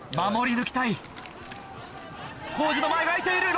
守り抜きたい。